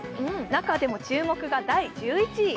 中でも注目が第１１位。